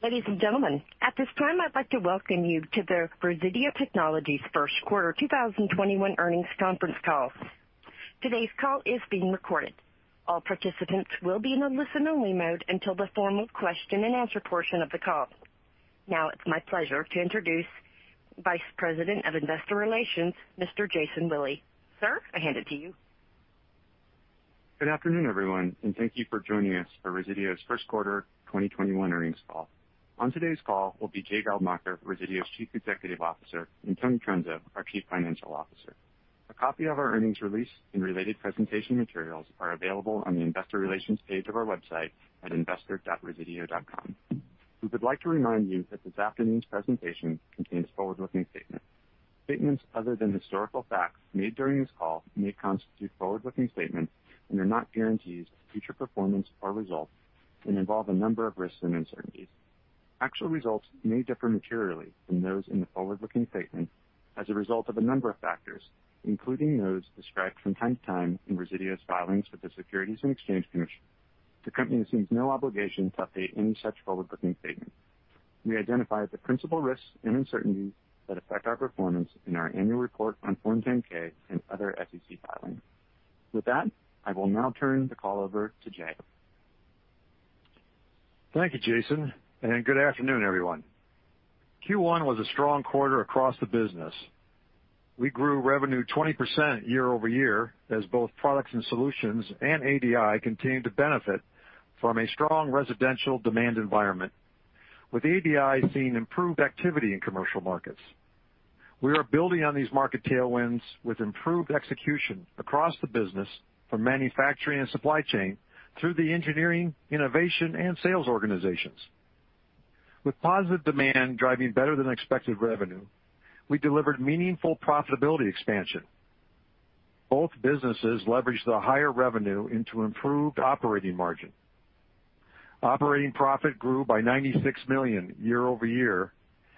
Ladies and gentlemen, at this time, I'd like to welcome you to the Resideo Technologies first quarter 2021 earnings conference call. Today's call is being recorded. All participants will be in a listen-only mode until the formal question and answer portion of the call. Now it's my pleasure to introduce Vice President of Investor Relations, Mr. Jason Willey. Sir, I hand it to you. Good afternoon, everyone, and thank you for joining us for Resideo's first quarter 2021 earnings call. On today's call will be Jay Geldmacher, Resideo's Chief Executive Officer, and Tony Trunzo, our Chief Financial Officer. A copy of our earnings release and related presentation materials are available on the investor relations page of our website at investor.resideo.com. We would like to remind you that this afternoon's presentation contains forward-looking statements. Statements other than historical facts made during this call may constitute forward-looking statements and are not guarantees of future performance or results and involve a number of risks and uncertainties. Actual results may differ materially from those in the forward-looking statements as a result of a number of factors, including those described from time to time in Resideo's filings with the Securities and Exchange Commission. The company assumes no obligation to update any such forward-looking statements. We identify the principal risks and uncertainties that affect our performance in our annual report on Form 10-K and other SEC filings. With that, I will now turn the call over to Jay. Thank you, Jason, and good afternoon, everyone. Q1 was a strong quarter across the business. We grew revenue 20% year-over-year as both Products & Solutions and ADI continued to benefit from a strong residential demand environment, with ADI seeing improved activity in commercial markets. We are building on these market tailwinds with improved execution across the business from manufacturing and supply chain through the engineering, innovation, and sales organizations. With positive demand driving better than expected revenue, we delivered meaningful profitability expansion. Both businesses leveraged the higher revenue into improved operating margin. Operating profit grew by $96 million year-over-year,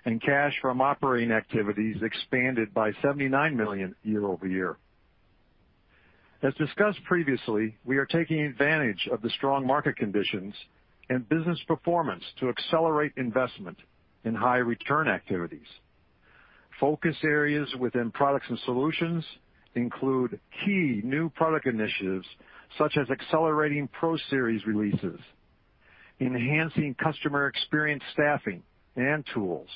and cash from operating activities expanded by $79 million year-over-year. As discussed previously, we are taking advantage of the strong market conditions and business performance to accelerate investment in high return activities. Focus areas within Products & Solutions include key new product initiatives such as accelerating ProSeries releases, enhancing customer experience staffing and tools,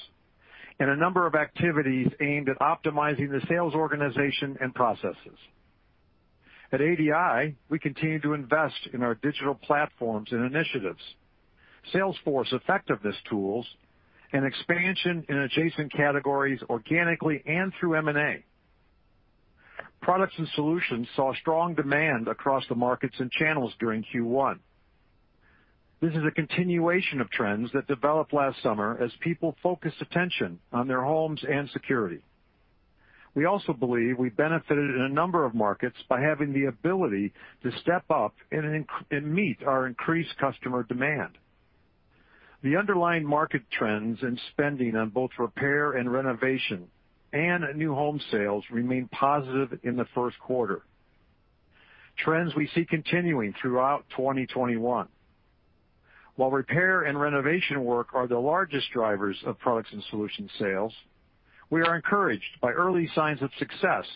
and a number of activities aimed at optimizing the sales organization and processes. At ADI, we continue to invest in our digital platforms and initiatives, salesforce effectiveness tools, and expansion in adjacent categories organically and through M&A. Products & Solutions saw strong demand across the markets and channels during Q1. This is a continuation of trends that developed last summer as people focused attention on their homes and security. We also believe we benefited in a number of markets by having the ability to step up and meet our increased customer demand. The underlying market trends and spending on both repair and renovation and new home sales remained positive in the first quarter, trends we see continuing throughout 2021. While repair and renovation work are the largest drivers of Products & Solutions sales, we are encouraged by early signs of success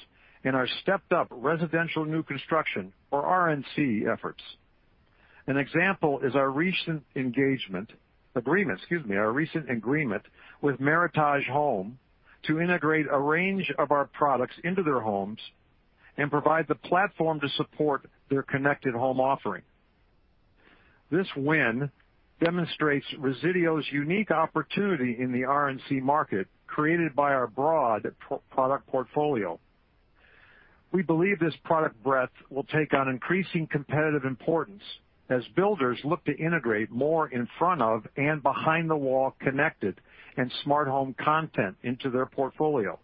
in our stepped-up residential new construction, or RNC, efforts. An example is our recent agreement with Meritage Homes to integrate a range of our products into their homes and provide the platform to support their connected home offering. This win demonstrates Resideo's unique opportunity in the RNC market created by our broad product portfolio. We believe this product breadth will take on increasing competitive importance as builders look to integrate more in front of and behind the wall connected and smart home content into their portfolio.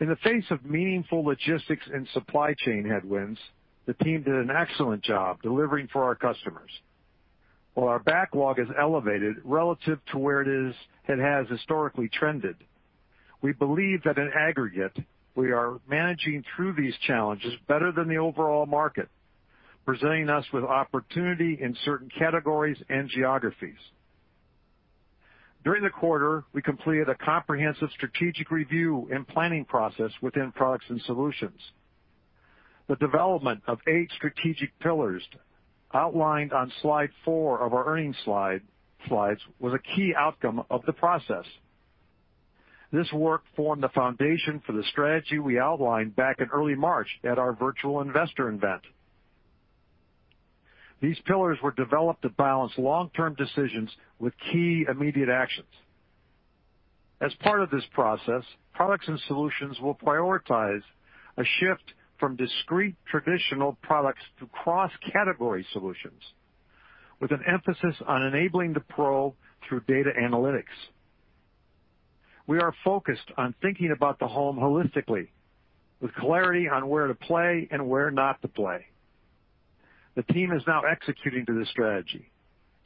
In the face of meaningful logistics and supply chain headwinds, the team did an excellent job delivering for our customers. While our backlog is elevated relative to where it has historically trended, we believe that in aggregate, we are managing through these challenges better than the overall market, presenting us with opportunity in certain categories and geographies. During the quarter, we completed a comprehensive strategic review and planning process within Products & Solutions. The development of eight strategic pillars outlined on slide four of our earnings slides was a key outcome of the process. This work formed the foundation for the strategy we outlined back in early March at our virtual investor event. These pillars were developed to balance long-term decisions with key immediate actions. As part of this process, Products & Solutions will prioritize a shift from discrete traditional products to cross-category solutions with an emphasis on enabling the pro through data analytics. We are focused on thinking about the home holistically with clarity on where to play and where not to play. The team is now executing to this strategy,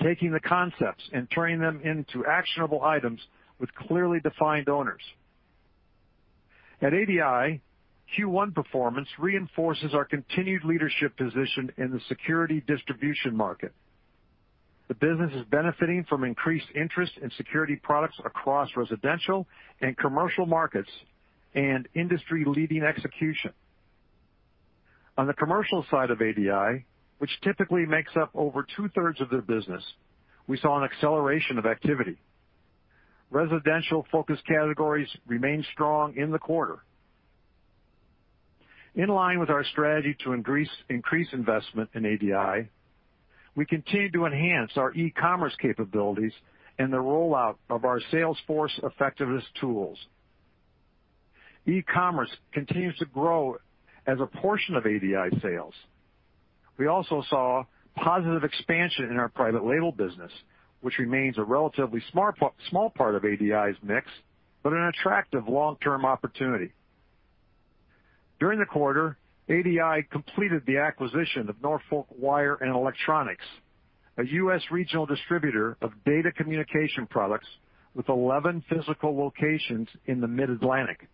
taking the concepts and turning them into actionable items with clearly defined owners. At ADI, Q1 performance reinforces our continued leadership position in the security distribution market. The business is benefiting from increased interest in security products across residential and commercial markets and industry-leading execution. On the commercial side of ADI, which typically makes up over 2/3 of their business, we saw an acceleration of activity. Residential-focused categories remained strong in the quarter. In line with our strategy to increase investment in ADI, we continue to enhance our e-commerce capabilities and the rollout of our sales force effectiveness tools. E-commerce continues to grow as a portion of ADI sales. We also saw positive expansion in our private label business, which remains a relatively small part of ADI's mix, but an attractive long-term opportunity. During the quarter, ADI completed the acquisition of Norfolk Wire and Electronics, a U.S. regional distributor of data communication products with 11 physical locations in the Mid-Atlantic.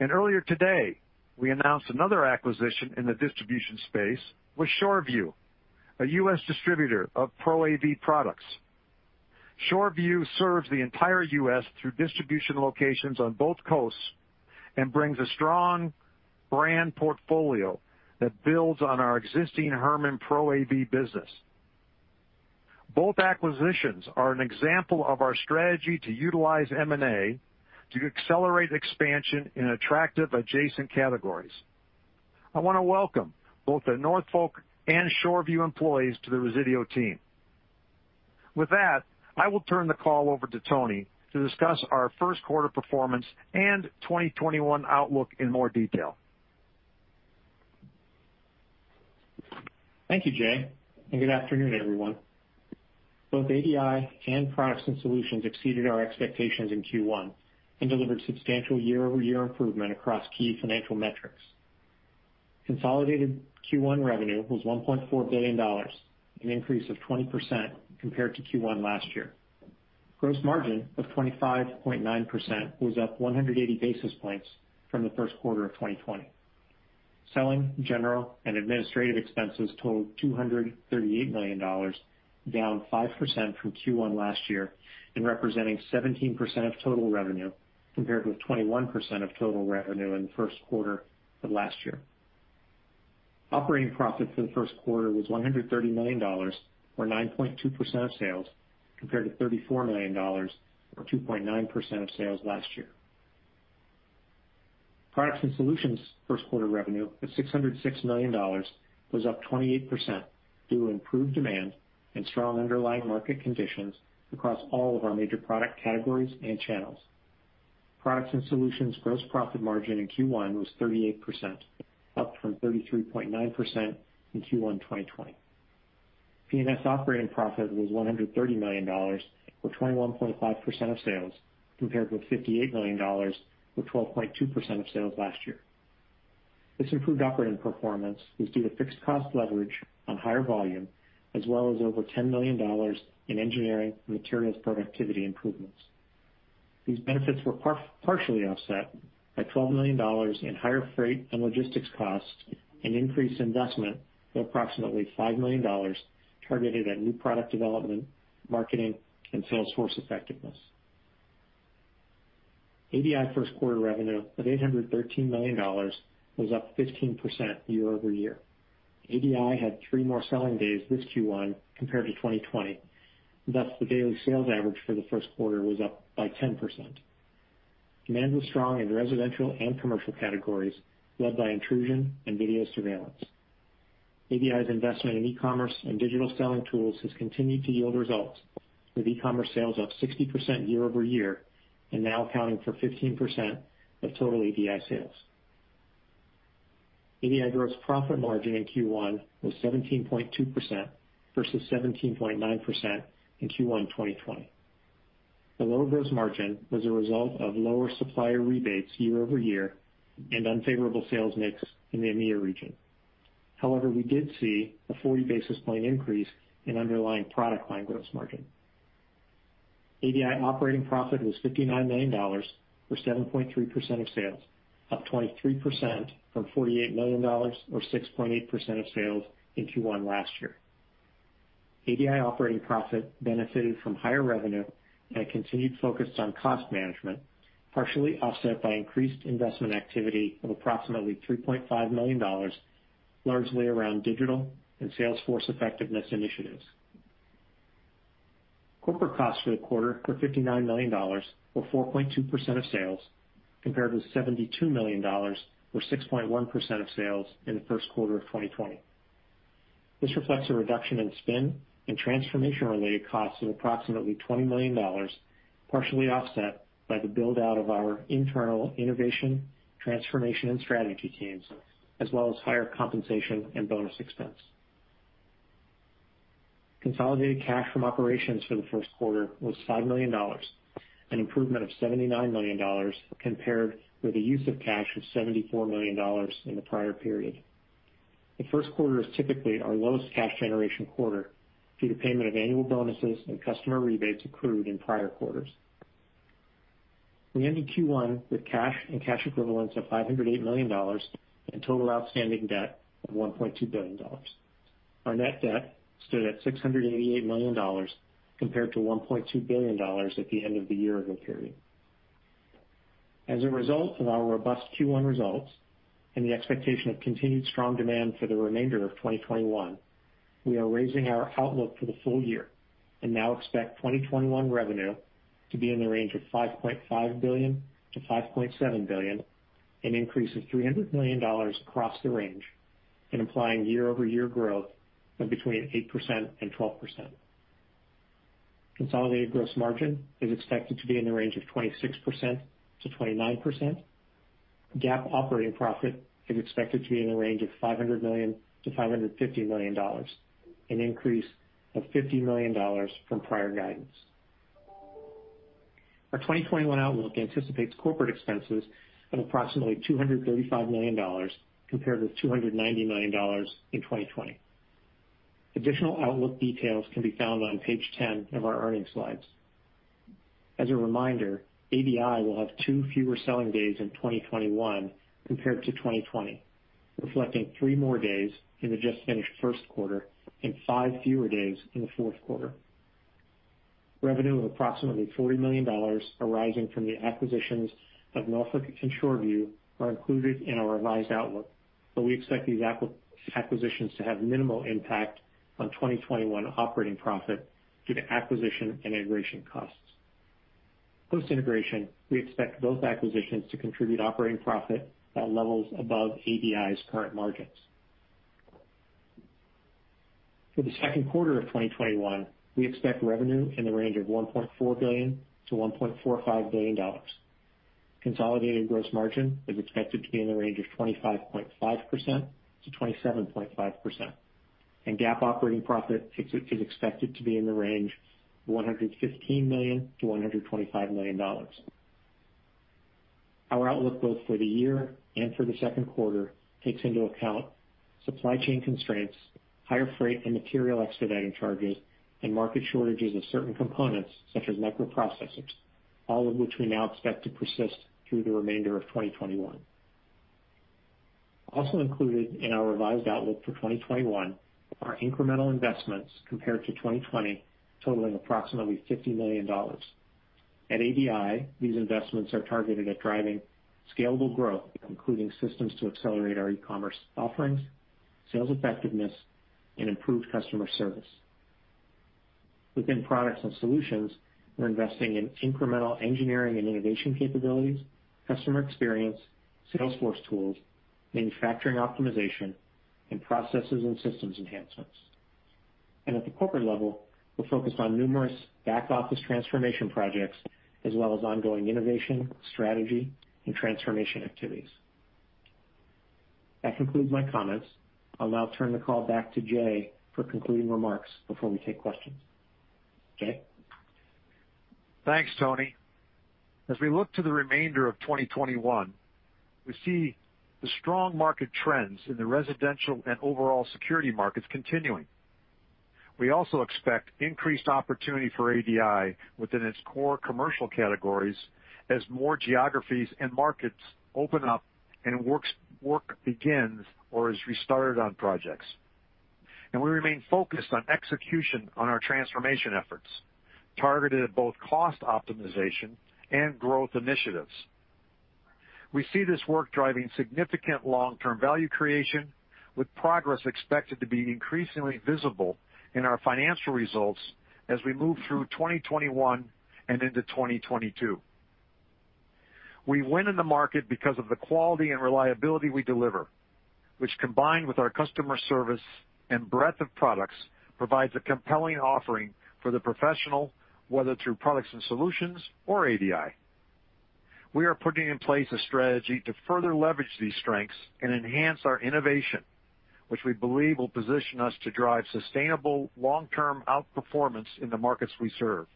Earlier today, we announced another acquisition in the distribution space with ShoreView, a U.S. distributor of Pro AV products. ShoreView serves the entire U.S. through distribution locations on both coasts and brings a strong brand portfolio that builds on our existing Herman Pro AV business. Both acquisitions are an example of our strategy to utilize M&A to accelerate expansion in attractive adjacent categories. I want to welcome both the Norfolk and ShoreView employees to the Resideo team. With that, I will turn the call over to Tony to discuss our first quarter performance and 2021 outlook in more detail. Thank you, Jay, good afternoon, everyone. Both ADI and Products & Solutions exceeded our expectations in Q1 and delivered substantial year-over-year improvement across key financial metrics. Consolidated Q1 revenue was $1.4 billion, an increase of 20% compared to Q1 last year. Gross margin of 25.9% was up 180 basis points from the first quarter of 2020. Selling, general, and administrative expenses totaled $238 million, down 5% from Q1 last year and representing 17% of total revenue, compared with 21% of total revenue in the first quarter of last year. Operating profit for the first quarter was $130 million, or 9.2% of sales, compared to $34 million or 2.9% of sales last year. Products & Solutions first quarter revenue of $606 million was up 28% due to improved demand and strong underlying market conditions across all of our major product categories and channels. Products & Solutions gross profit margin in Q1 was 38%, up from 33.9% in Q1 2020. P&S operating profit was $130 million, or 21.5% of sales, compared with $58 million or 12.2% of sales last year. This improved operating performance was due to fixed cost leverage on higher volume, as well as over $10 million in engineering materials productivity improvements. These benefits were partially offset by $12 million in higher freight and logistics costs and increased investment of approximately $5 million targeted at new product development, marketing, and sales force effectiveness. ADI first quarter revenue of $813 million was up 15% year-over-year. ADI had three more selling days this Q1 compared to 2020, thus, the daily sales average for the first quarter was up by 10%. Demand was strong in residential and commercial categories, led by intrusion and video surveillance. ADI's investment in e-commerce and digital selling tools has continued to yield results, with e-commerce sales up 60% year-over-year and now accounting for 15% of total ADI sales. ADI gross profit margin in Q1 was 17.2% versus 17.9% in Q1 2020. The low gross margin was a result of lower supplier rebates year-over-year and unfavorable sales mix in the EMEA region. However, we did see a 40 basis point increase in underlying product line gross margin. ADI operating profit was $59 million, or 7.3% of sales, up 23% from $48 million or 6.8% of sales in Q1 last year. ADI operating profit benefited from higher revenue and a continued focus on cost management, partially offset by increased investment activity of approximately $3.5 million, largely around digital and sales force effectiveness initiatives. Corporate costs for the quarter were $59 million or 4.2% of sales, compared with $72 million or 6.1% of sales in the first quarter of 2020. This reflects a reduction in spin and transformation-related costs of approximately $20 million, partially offset by the build-out of our internal innovation, transformation, and strategy teams, as well as higher compensation and bonus expense. Consolidated cash from operations for the first quarter was $5 million, an improvement of $79 million compared with the use of cash of $74 million in the prior period. The first quarter is typically our lowest cash generation quarter due to payment of annual bonuses and customer rebates accrued in prior quarters. We ended Q1 with cash and cash equivalents of $508 million and total outstanding debt of $1.2 billion. Our net debt stood at $688 million compared to $1.2 billion at the end of the year-end period. As a result of our robust Q1 results and the expectation of continued strong demand for the remainder of 2021, we are raising our outlook for the full year and now expect 2021 revenue to be in the range of $5.5 billion-$5.7 billion, an increase of $300 million across the range, and implying year-over-year growth of between 8% and 12%. Consolidated gross margin is expected to be in the range of 26%-29%. GAAP operating profit is expected to be in the range of $500 million-$550 million, an increase of $50 million from prior guidance. Our 2021 outlook anticipates corporate expenses of approximately $235 million, compared with $290 million in 2020. Additional outlook details can be found on page 10 of our earnings slides. As a reminder, ADI will have two fewer selling days in 2021 compared to 2020, reflecting three more days in the just finished first quarter and five fewer days in the fourth quarter. Revenue of approximately $40 million arising from the acquisitions of Norfolk and ShoreView are included in our revised outlook, but we expect these acquisitions to have minimal impact on 2021 operating profit due to acquisition and integration costs. Post-integration, we expect both acquisitions to contribute operating profit at levels above ADI's current margins. For the second quarter of 2021, we expect revenue in the range of $1.4 billion-$1.45 billion. Consolidated gross margin is expected to be in the range of 25.5%-27.5%, and GAAP operating profit is expected to be in the range of $115 million-$125 million. Our outlook both for the year and for the second quarter takes into account supply chain constraints, higher freight and material expediting charges, and market shortages of certain components such as microprocessors, all of which we now expect to persist through the remainder of 2021. Also included in our revised outlook for 2021 are incremental investments compared to 2020, totaling approximately $50 million. At ADI, these investments are targeted at driving scalable growth, including systems to accelerate our e-commerce offerings, sales effectiveness, and improved customer service. Within Products & Solutions, we're investing in incremental engineering and innovation capabilities, customer experience, sales force tools, manufacturing optimization, and processes and systems enhancements. At the corporate level, we're focused on numerous back-office transformation projects, as well as ongoing innovation, strategy, and transformation activities. That concludes my comments. I'll now turn the call back to Jay for concluding remarks before we take questions. Jay? Thanks, Tony. As we look to the remainder of 2021, we see the strong market trends in the residential and overall security markets continuing. We also expect increased opportunity for ADI within its core commercial categories as more geographies and markets open up and work begins or is restarted on projects. We remain focused on execution on our transformation efforts, targeted at both cost optimization and growth initiatives. We see this work driving significant long-term value creation, with progress expected to be increasingly visible in our financial results as we move through 2021 and into 2022. We win in the market because of the quality and reliability we deliver, which, combined with our customer service and breadth of products, provides a compelling offering for the professional, whether through Products & Solutions or ADI. We are putting in place a strategy to further leverage these strengths and enhance our innovation, which we believe will position us to drive sustainable long-term outperformance in the markets we serve.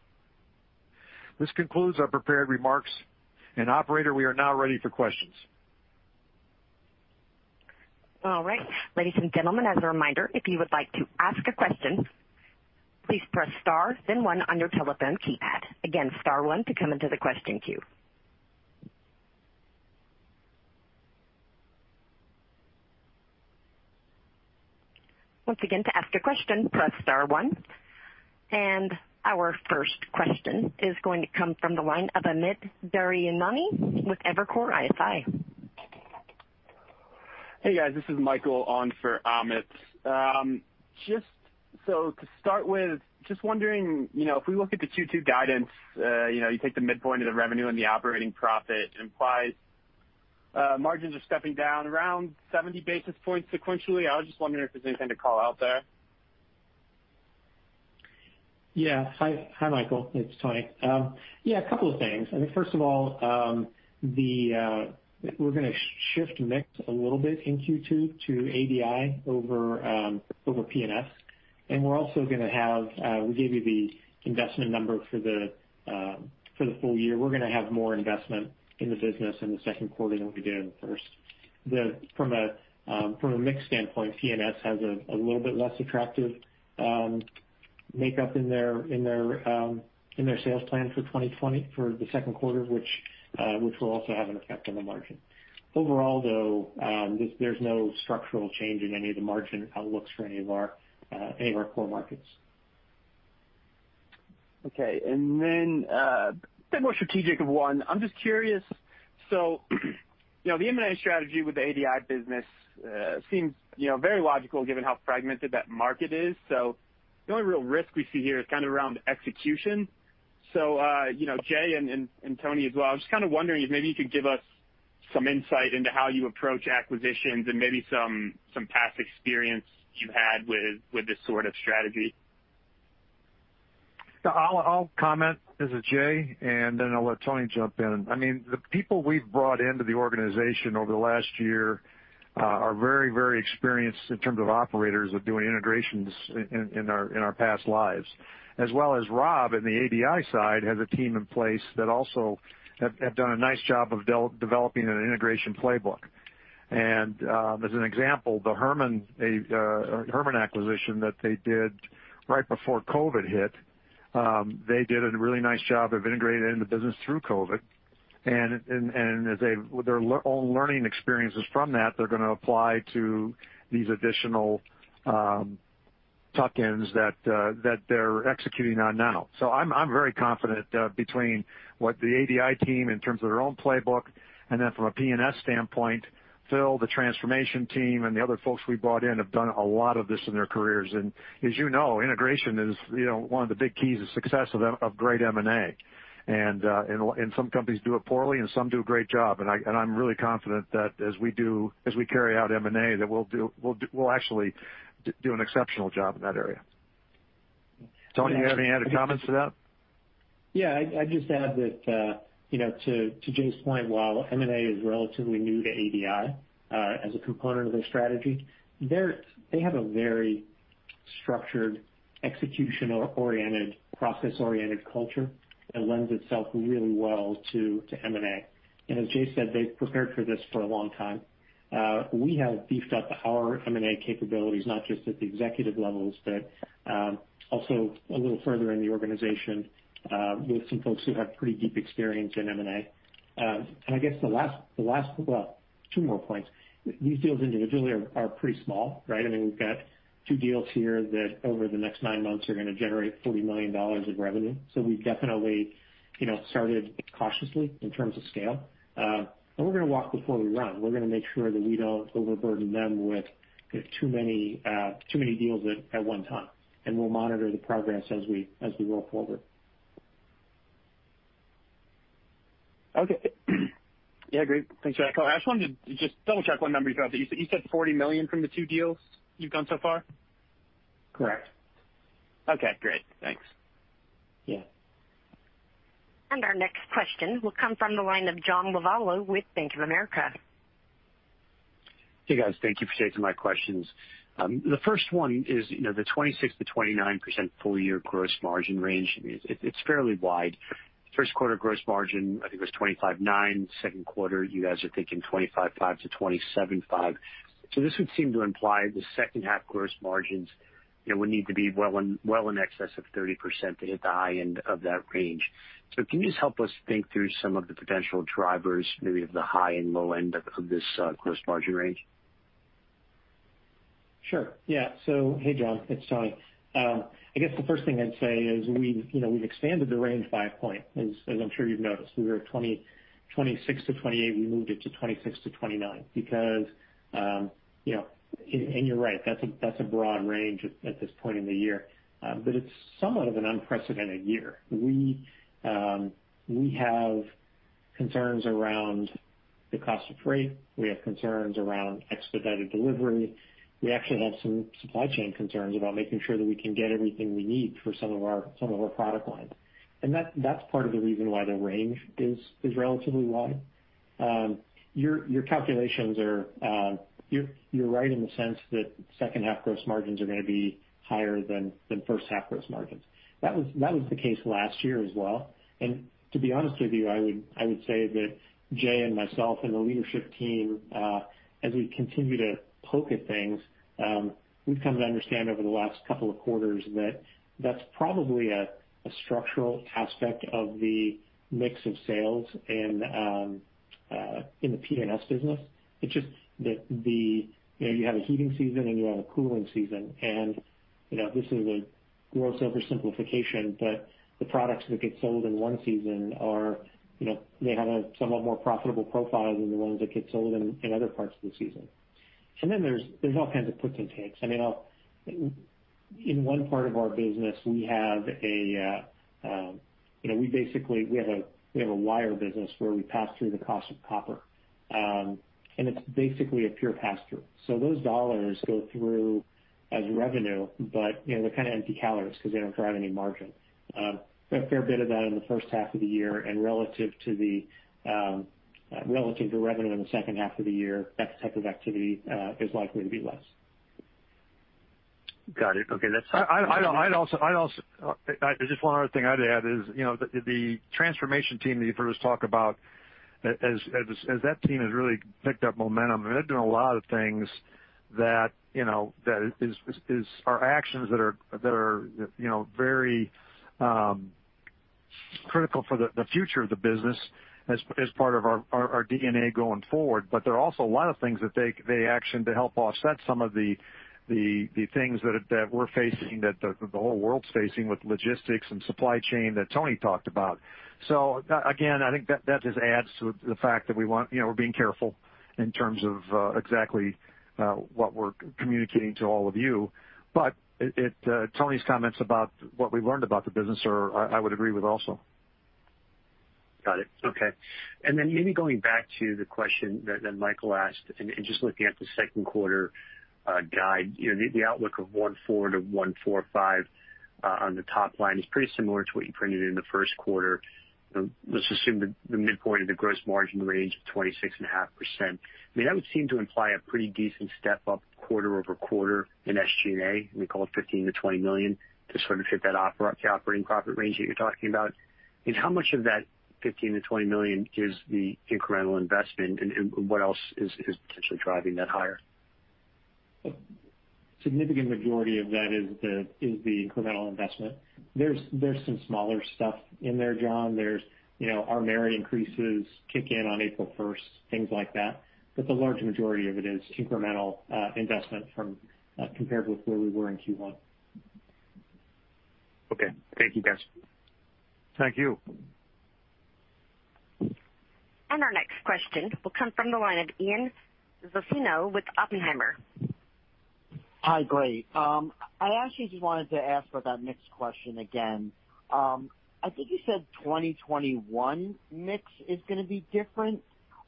This concludes our prepared remarks. Operator, we are now ready for questions. All right. Ladies and gentlemen, as a reminder, if you would like to ask a question, please press star then one on your telephone keypad. Again, star one to come into the question queue. Once again, to ask a question, press star one. Our first question is going to come from the line of Amit Daryanani with Evercore ISI. Hey, guys, this is Michael on for Amit. To start with, just wondering, if we look at the Q2 guidance, you take the midpoint of the revenue and the operating profit implies margins are stepping down around 70 basis points sequentially. I was just wondering if there's anything to call out there. Hi, Michael, it's Tony. A couple of things. I think first of all, we're going to shift mix a little bit in Q2 to ADI over P&S. We gave you the investment number for the full year. We're going to have more investment in the business in the second quarter than we did in the first. From a mix standpoint, P&S has a little bit less attractive makeup in their sales plan for 2020 for the second quarter, which will also have an effect on the margin. Overall, though, there's no structural change in any of the margin outlooks for any of our core markets. Okay. A bit more strategic of one. I'm just curious, the M&A strategy with the ADI business seems very logical given how fragmented that market is. The only real risk we see here is kind of around execution. Jay, and Tony as well, I'm just kind of wondering if maybe you could give us some insight into how you approach acquisitions and maybe some past experience you've had with this sort of strategy. Yeah, I'll comment. This is Jay, and then I'll let Tony jump in. The people we've brought into the organization over the last year are very experienced in terms of operators of doing integrations in our past lives. As well as Rob in the ADI side, has a team in place that also have done a nice job of developing an integration playbook. As an example, the Herman acquisition that they did right before COVID hit, they did a really nice job of integrating the business through COVID. With their own learning experiences from that, they're going to apply to these additional tuck-ins that they're executing on now. I'm very confident between what the ADI team, in terms of their own playbook, and then from a P&S standpoint, Phil, the transformation team, and the other folks we brought in have done a lot of this in their careers. As you know, integration is one of the big keys of success of great M&A. Some companies do it poorly, and some do a great job. I'm really confident that as we carry out M&A, that we'll actually do an exceptional job in that area. Tony, you have any other comments to that? Yeah, I'd just add that to Jay's point, while M&A is relatively new to ADI as a component of their strategy, they have a very structured, executional-oriented, process-oriented culture that lends itself really well to M&A. As Jay said, they've prepared for this for a long time. We have beefed up our M&A capabilities, not just at the executive levels, but also a little further in the organization with some folks who have pretty deep experience in M&A. I guess the last, well, two more points. These deals individually are pretty small, right? We've got two deals here that over the next nine months are going to generate $40 million of revenue. We've definitely started cautiously in terms of scale. We're going to walk before we run. We're going to make sure that we don't overburden them with too many deals at one time. We'll monitor the progress as we roll forward. Okay. Yeah, great. Thanks for that. I just wanted to just double-check one number you got. You said $40 million from the two deals you've done so far? Correct. Okay, great. Thanks. Our next question will come from the line of John Lovallo with Bank of America. Hey, guys. Thank you for taking my questions. The first one is the 26%-29% full-year gross margin range. It's fairly wide. First quarter gross margin, I think, was 25.9%. Second quarter, you guys are thinking 25.5%-27.5%. This would seem to imply the second half gross margins would need to be well in excess of 30% to hit the high end of that range. Can you just help us think through some of the potential drivers, maybe of the high and low end of this gross margin range? Sure. Yeah. Hey, John, it's Tony. I guess the first thing I'd say is we've expanded the range five points, as I'm sure you've noticed. We were at 26%-28%. We moved it to 26%-29%. You're right. That's a broad range at this point in the year. It's somewhat of an unprecedented year. We have concerns around the cost of freight. We have concerns around expedited delivery. We actually have some supply chain concerns about making sure that we can get everything we need for some of our product lines. That's part of the reason why the range is relatively wide. Your calculations, you're right in the sense that second half gross margins are going to be higher than first half gross margins. That was the case last year as well. To be honest with you, I would say that Jay and myself and the leadership team, as we continue to poke at things, we've come to understand over the last couple of quarters that that's probably a structural aspect of the mix of sales in the P&S business. It's just that you have a heating season, and you have a cooling season. This is a gross oversimplification, but the products that get sold in one season have a somewhat more profitable profile than the ones that get sold in other parts of the season. Then there's all kinds of puts and takes. In one part of our business, we have a wire business where we pass through the cost of copper. It's basically a pure pass-through. Those dollars go through as revenue, but they're kind of empty calories because they don't drive any margin. We've got a fair bit of that in the first half of the year. Relative to revenue in the second half of the year, that type of activity is likely to be less. Got it. Okay. Just one other thing I'd add is, the transformation team that you've heard us talk about, as that team has really picked up momentum, and they're doing a lot of things that are actions that are very critical for the future of the business as part of our DNA going forward. There are also a lot of things that they action to help offset some of the things that we're facing, that the whole world's facing with logistics and supply chain that Tony talked about. Again, I think that just adds to the fact that we're being careful in terms of exactly what we're communicating to all of you. Tony's comments about what we learned about the business, I would agree with also. Got it. Okay. Maybe going back to the question that Michael asked, just looking at the second quarter guide, the outlook of $144 million-$145 million on the top line is pretty similar to what you printed in the first quarter. Let's assume that the midpoint of the gross margin range of 26.5%. I mean, that would seem to imply a pretty decent step-up quarter-over-quarter in SG&A, we call it $15 million-$20 million, to sort of hit that operating profit range that you're talking about. How much of that $15 million-$20 million is the incremental investment, and what else is potentially driving that higher? A significant majority of that is the incremental investment. There's some smaller stuff in there, John. Our merit increases kick in on April 1st, things like that. The large majority of it is incremental investment compared with where we were in Q1. Okay. Thank you, guys. Thank you. Our next question will come from the line of Ian Zaffino with Oppenheimer. Hi. Great. I actually just wanted to ask for that mix question again. I think you said 2021 mix is going to be different,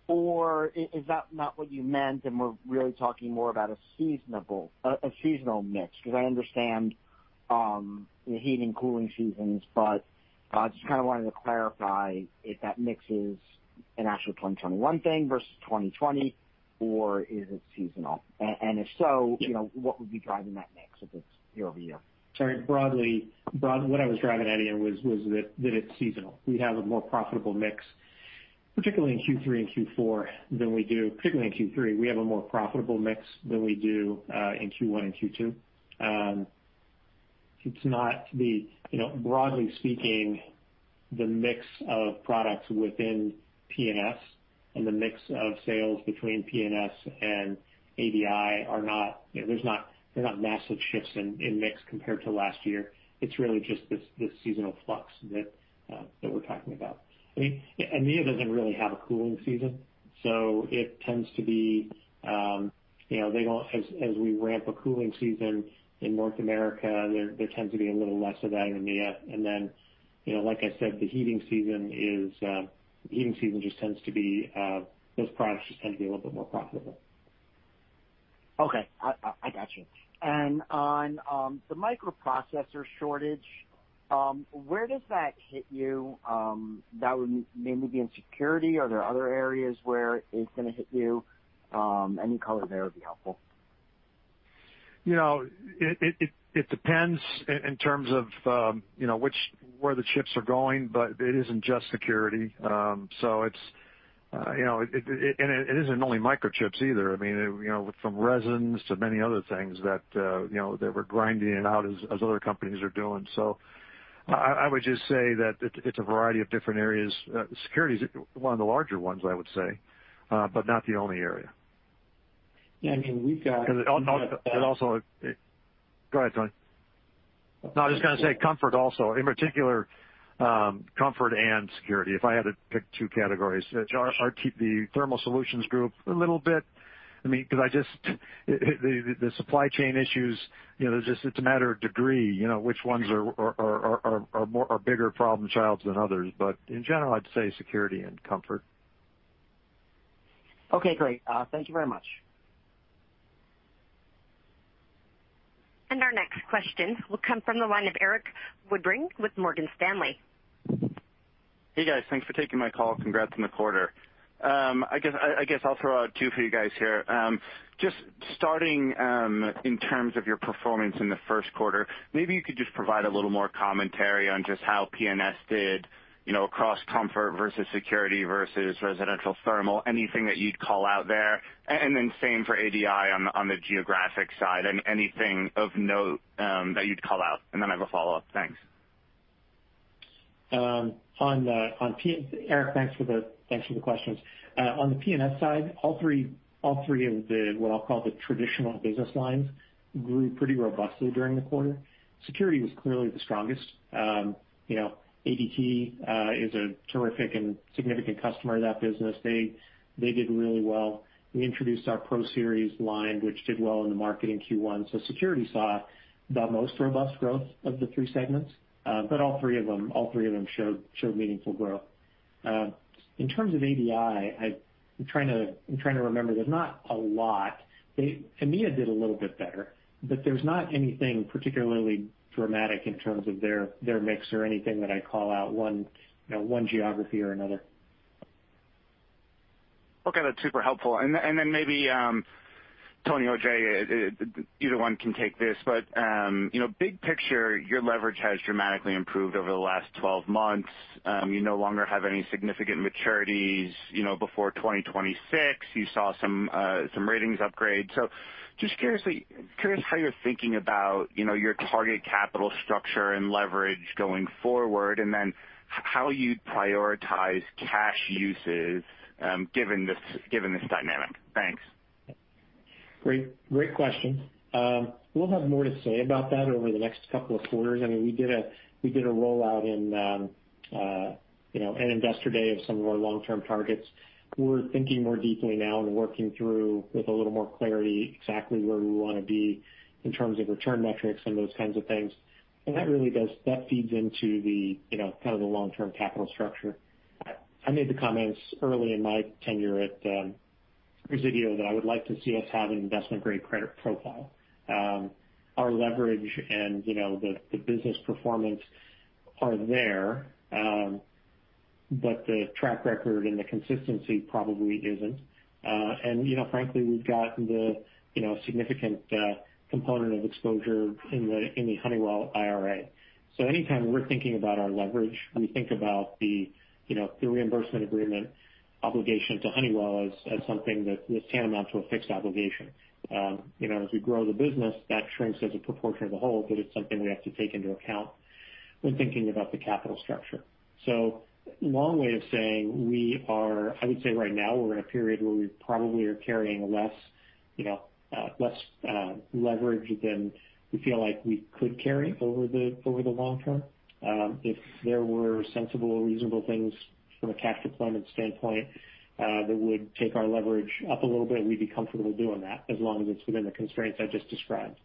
or is that not what you meant and we're really talking more about a seasonal mix? I understand the heating and cooling seasons. Just kind of wanted to clarify if that mix is an actual 2021 thing versus 2020, or is it seasonal? If so, what would be driving that mix if it's year-over-year? Sorry, broadly, what I was driving at, Ian, was that it's seasonal. We have a more profitable mix, particularly in Q3 and Q4, particularly in Q3, we have a more profitable mix than we do in Q1 and Q2. Broadly speaking, the mix of products within P&S and the mix of sales between P&S and ADI, there's not massive shifts in mix compared to last year. It's really just this seasonal flux that we're talking about. I mean, EMEA doesn't really have a cooling season, so as we ramp a cooling season in North America, there tends to be a little less of that in EMEA. Like I said, the heating season just tends to be those products just tend to be a little bit more profitable. Okay. I got you. On the microprocessor shortage, where does that hit you? That would mainly be in security. Are there other areas where it's going to hit you? Any color there would be helpful. It depends in terms of where the chips are going. It isn't just security. It isn't only microchips either. I mean, from resins to many other things that we're grinding out as other companies are doing. I would just say that it's a variety of different areas. security is one of the larger ones, I would say, but not the only area. Yeah, I mean. Go ahead, Tony. I was just going to say comfort also. In particular, comfort and security, if I had to pick two categories. The thermal solutions group a little bit. I mean, because the supply chain issues, it's a matter of degree, which ones are bigger problem children than others. In general, I'd say security and comfort. Okay, great. Thank you very much. Our next question will come from the line of Erik Woodring with Morgan Stanley. Hey, guys. Thanks for taking my call. Congrats on the quarter. I guess I'll throw out two for you guys here. Just starting in terms of your performance in the first quarter, maybe you could just provide a little more commentary on just how P&S did across comfort versus security versus residential thermal. Anything that you'd call out there? Then same for ADI on the geographic side, and anything of note that you'd call out. Then I have a follow-up. Thanks. Erik, thanks for the questions. On the P&S side, all three of the, what I'll call the traditional business lines, grew pretty robustly during the quarter. Security was clearly the strongest. ADT is a terrific and significant customer of that business. They did really well. We introduced our ProSeries line, which did well in the market in Q1. Security saw the most robust growth of the three segments. All three of them showed meaningful growth. In terms of ADI, I'm trying to remember. There's not a lot. EMEA did a little bit better, but there's not anything particularly dramatic in terms of their mix or anything that I'd call out one geography or another. Okay. That's super helpful. Maybe, Tony or Jay, either one can take this, but big picture, your leverage has dramatically improved over the last 12 months. You no longer have any significant maturities before 2026. You saw some ratings upgrades. Just curious how you're thinking about your target capital structure and leverage going forward, and then how you'd prioritize cash uses given this dynamic. Thanks. Great question. We'll have more to say about that over the next couple of quarters. We did a rollout in an Investor Day of some of our long-term targets. We're thinking more deeply now and working through with a little more clarity exactly where we want to be in terms of return metrics and those kinds of things. That feeds into the long-term capital structure. I made the comments early in my tenure at Resideo that I would like to see us have an investment-grade credit profile. Our leverage and the business performance are there. The track record and the consistency probably isn't. Frankly, we've got the significant component of exposure in the Honeywell IRA. Anytime we're thinking about our leverage, we think about the reimbursement agreement obligation to Honeywell as something that's tantamount to a fixed obligation. As we grow the business, that shrinks as a proportion of the whole, but it's something we have to take into account when thinking about the capital structure. Long way of saying, I would say right now we're in a period where we probably are carrying less leverage than we feel like we could carry over the long term. If there were sensible or reasonable things from a cash deployment standpoint that would take our leverage up a little bit, we'd be comfortable doing that, as long as it's within the constraints I just described.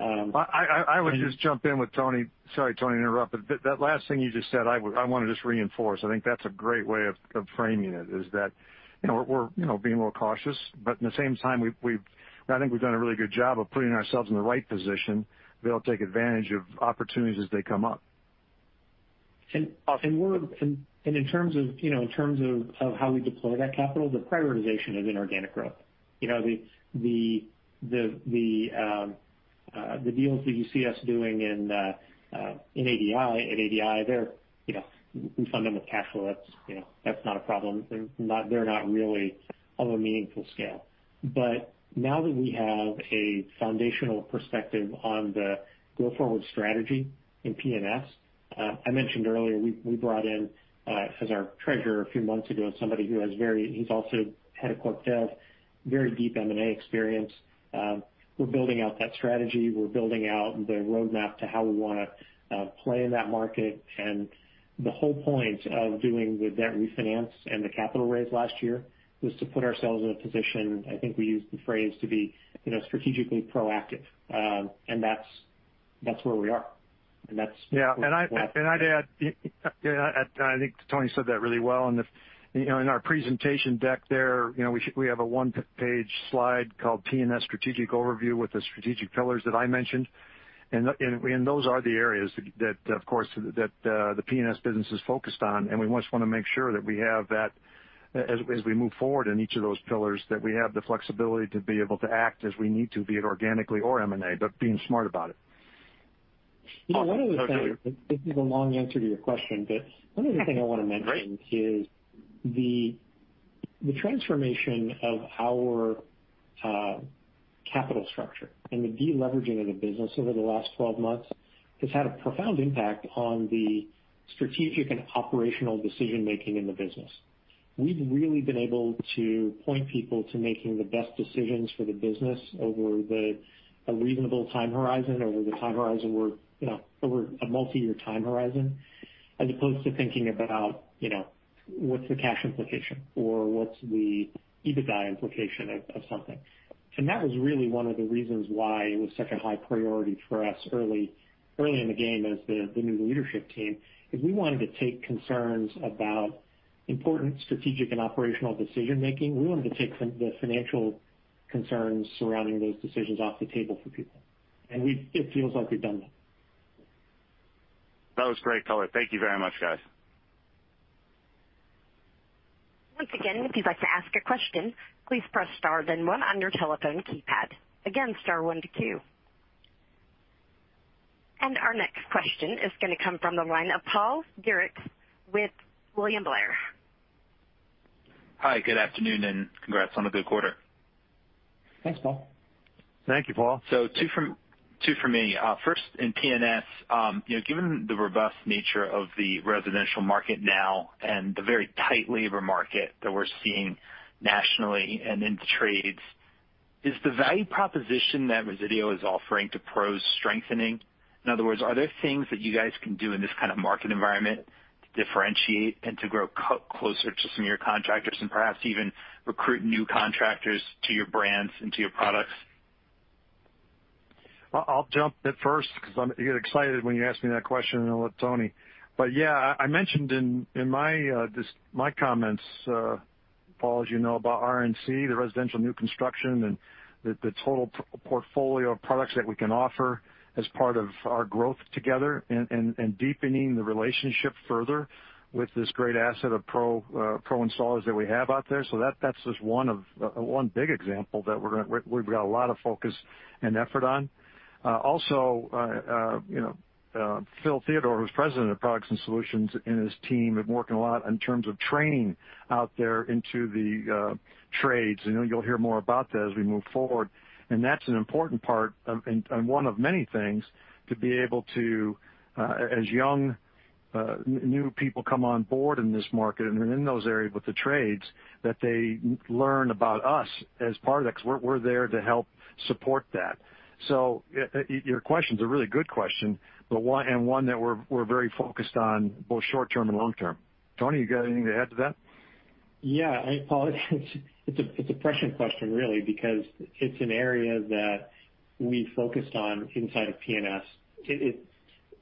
I would just jump in with Tony. Sorry, Tony, to interrupt, but that last thing you just said, I want to just reinforce. I think that's a great way of framing it, is that we're being more cautious. At the same time, I think we've done a really good job of putting ourselves in the right position to be able to take advantage of opportunities as they come up. In terms of how we deploy that capital, the prioritization is inorganic growth. The deals that you see us doing in ADI, we fund them with cash flow. That's not a problem. They're not really of a meaningful scale. Now that we have a foundational perspective on the go-forward strategy in P&S, I mentioned earlier, we brought in as our treasurer a few months ago, somebody who's also head of Corp Dev, very deep M&A experience. We're building out that strategy. We're building out the roadmap to how we want to play in that market. The whole point of doing the debt refinance and the capital raise last year was to put ourselves in a position, I think we used the phrase, to be strategically proactive. That's where we are. Yeah. I'd add, I think Tony said that really well. In our presentation deck there, we have a one-page slide called P&S Strategic Overview with the strategic pillars that I mentioned. Those are the areas that, of course, the P&S business is focused on, we just want to make sure that as we move forward in each of those pillars, that we have the flexibility to be able to act as we need to, be it organically or M&A, but being smart about it. This is a long answer to your question, but one of the things I want to mention- Great -is the transformation of our capital structure and the de-leveraging of the business over the last 12 months has had a profound impact on the strategic and operational decision-making in the business. We've really been able to point people to making the best decisions for the business over a reasonable time horizon, over a multi-year time horizon, as opposed to thinking about what's the cash implication or what's the EBITDA implication of something. That was really one of the reasons why it was such a high priority for us early in the game as the new leadership team, is we wanted to take concerns about important strategic and operational decision-making. We wanted to take the financial concerns surrounding those decisions off the table for people. It feels like we've done that. That was great color. Thank you very much, guys. Once again, if you'd like to ask a question, please press star then one on your telephone keypad. Again, star one to queue. Our next question is going to come from the line of Paul Dircks with William Blair. Hi, good afternoon, congrats on the good quarter. Thanks, Paul. Thank you, Paul. Two from me. First, in P&S, given the robust nature of the residential market now and the very tight labor market that we're seeing nationally and in trades, is the value proposition that Resideo is offering to pros strengthening? In other words, are there things that you guys can do in this kind of market environment to differentiate and to grow closer to some of your contractors and perhaps even recruit new contractors to your brands and to your products? I'll jump at first because I get excited when you ask me that question, and I'll let Tony. Yeah, I mentioned in my comments, Paul, as you know, about RNC, the residential new construction, and the total portfolio of products that we can offer as part of our growth together and deepening the relationship further with this great asset of pro installers that we have out there. That's just one big example that we've got a lot of focus and effort on. Also, Phil Theodore, who's President of Products and Solutions, and his team have been working a lot in terms of training out there into the trades, and you'll hear more about that as we move forward. That's an important part and one of many things to be able to, as young, new people come on board in this market and in those areas with the trades, that they learn about us as part of that, because we're there to help support that. Your question's a really good question and one that we're very focused on, both short term and long term. Tony, you got anything to add to that? Yeah. Paul, it's a prescient question, really, because it's an area that we focused on inside of P&S.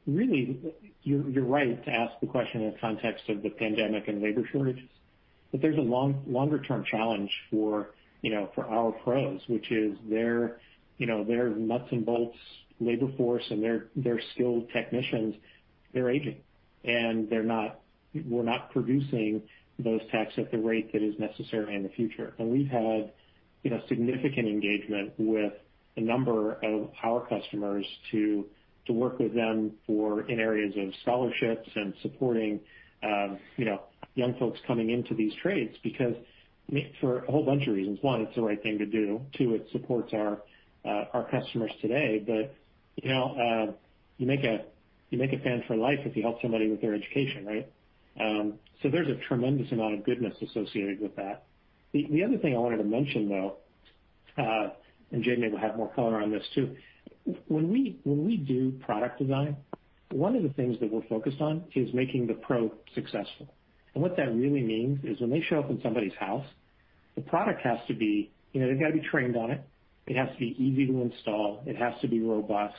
Really, you're right to ask the question in the context of the pandemic and labor shortages. There's a longer term challenge for our pros, which is their nuts and bolts labor force and their skilled technicians, they're aging, and we're not producing those techs at the rate that is necessary in the future. We've had significant engagement with a number of our customers to work with them in areas of scholarships and supporting young folks coming into these trades because for a whole bunch of reasons. One, it's the right thing to do. Two, it supports our customers today. You make a fan for life if you help somebody with their education, right? There's a tremendous amount of goodness associated with that. The other thing I wanted to mention, though, Jay may well have more color on this, too. When we do product design, one of the things that we're focused on is making the pro successful. What that really means is when they show up in somebody's house, the product has to be they've got to be trained on it. It has to be easy to install. It has to be robust.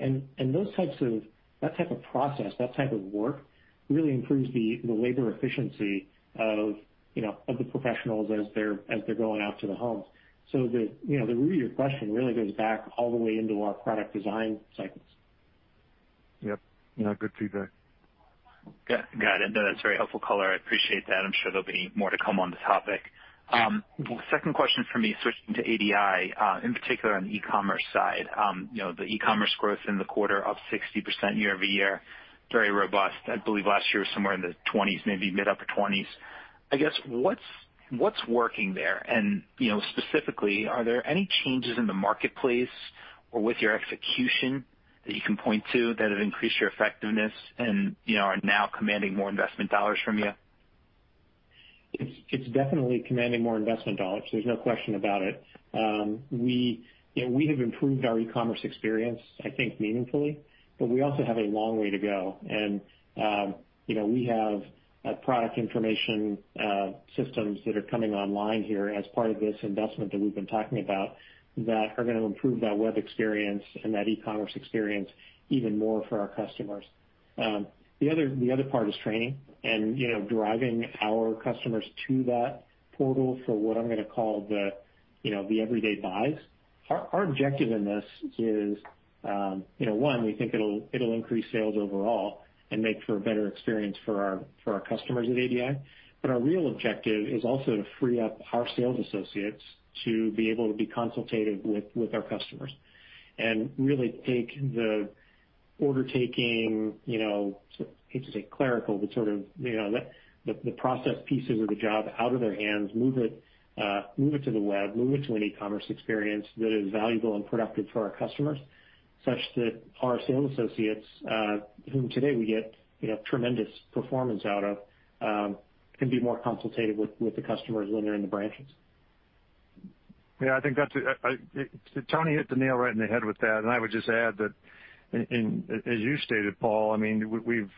That type of process, that type of work really improves the labor efficiency of the professionals as they're going out to the homes. The root of your question really goes back all the way into our product design cycles. Yep. Good feedback. Got it. No, that's very helpful color. I appreciate that. I'm sure there'll be more to come on the topic. Second question for me, switching to ADI, in particular on the e-commerce side. The e-commerce growth in the quarter up 60% year-over-year, very robust. I believe last year was somewhere in the 20%'s, maybe mid upper 20%'s. I guess what's working there? Specifically, are there any changes in the marketplace or with your execution that you can point to that have increased your effectiveness and are now commanding more investment dollars from you? It's definitely commanding more investment dollars. There's no question about it. We have improved our e-commerce experience, I think meaningfully, but we also have a long way to go. We have product information systems that are coming online here as part of this investment that we've been talking about that are going to improve that web experience and that e-commerce experience even more for our customers. The other part is training and driving our customers to that portal for what I'm going to call the everyday buys. Our objective in this is, one, we think it'll increase sales overall and make for a better experience for our customers at ADI. Our real objective is also to free up our sales associates to be able to be consultative with our customers and really take the order taking, I hate to say clerical, but sort of the process pieces of the job out of their hands, move it to the web, move it to an e-commerce experience that is valuable and productive for our customers, such that our sales associates, whom today we get tremendous performance out of, can be more consultative with the customers when they're in the branches. Yeah, I think Tony hit the nail right in the head with that. I would just add that as you stated, Paul, we've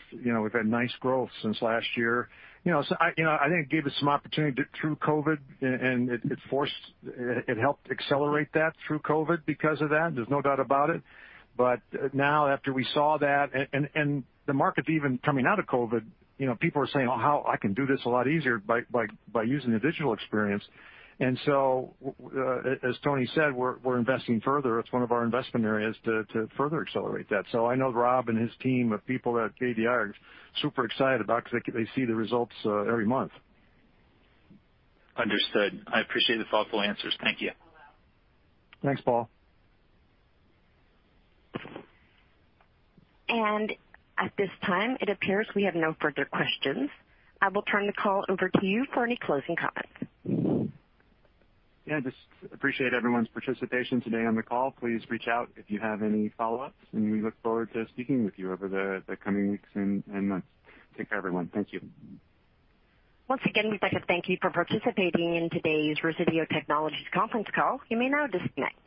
had nice growth since last year. I think it gave us some opportunity through COVID. It helped accelerate that through COVID because of that. There's no doubt about it. Now after we saw that and the market even coming out of COVID, people are saying, I can do this a lot easier by using the digital experience. As Tony said, we're investing further. It's one of our investment areas to further accelerate that. I know Rob and his team of people at ADI are super excited about it because they see the results every month. Understood. I appreciate the thoughtful answers. Thank you. Thanks, Paul. At this time, it appears we have no further questions. I will turn the call over to you for any closing comments. Just appreciate everyone's participation today on the call. Please reach out if you have any follow-ups, and we look forward to speaking with you over the coming weeks and months. Take care, everyone. Thank you. Once again, we'd like to thank you for participating in today's Resideo Technologies conference call. You may now disconnect.